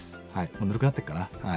もうぬるくなってるかな。